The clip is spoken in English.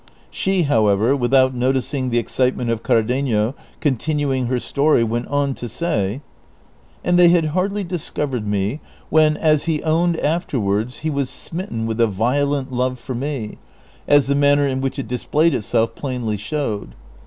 She, however, without noticing the excitement of Cardenio, continuing her story, went on to say : And they had hardly discovered me, when, as he owned after wards, he was smitten with a violent love for me, as the manner in 230 DON QUIXOTE. which it disphiyed itself plainly showed.